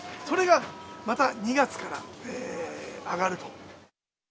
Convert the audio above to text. それがまた２月から上がると。